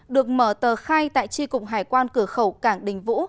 được mở tờ khai tại tri cục hải quan cửa khẩu cảng đình vũ